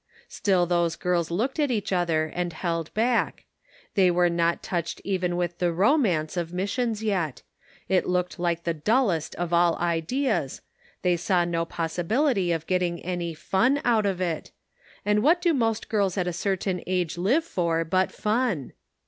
Still those girls looked at each other and held back. They were not touched even with the romance of missions yet; it looked like the dullest of all ideas ; they saw no possibility of getting any "fun," out of it; and what do most girls at a certain age live for but fun